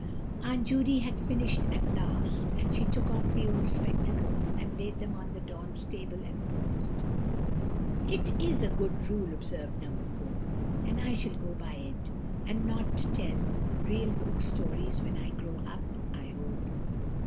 Aunt Judy had finished at last, and she took off the old spectacles and laid them on the doll's table, and paused. "It is a good rule," observed No. 4, "and I shall go by it, and not tell real Cook Stories when I grow up, I hope."